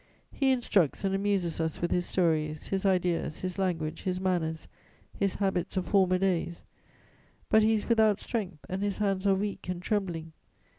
He instructs and amuses us with his stories, his ideas, his language, his manners, his habits of former days; but he is without strength, and his hands are weak and trembling.